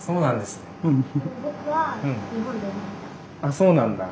そうなんだ。